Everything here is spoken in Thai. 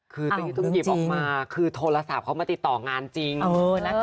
คือตอนนี้ต้องหยิบออกมาคือโทรศัพท์เขามาติดต่องานจริง